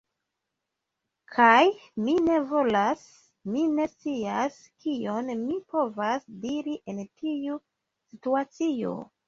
Kaj, mi ne volas... mi ne scias kion mi povas diri en tiu situacio.